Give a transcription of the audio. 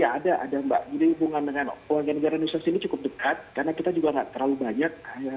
ya ada ada mbak jadi hubungan dengan warga negara indonesia sini cukup dekat karena kita juga nggak terlalu banyak